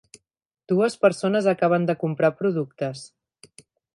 Dues persones acaben de comprar productes.